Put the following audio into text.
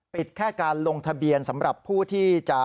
แค่การลงทะเบียนสำหรับผู้ที่จะ